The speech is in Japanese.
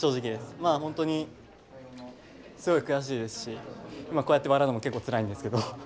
まあ本当にすごい悔しいですし今こうやって笑うのも結構つらいんですけど。